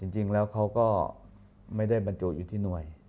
จริงแล้วเขาก็ไม่ได้บรรจุอยู่ที่หน่วย